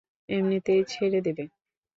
এমনিতেই ছেড়ে দেবে।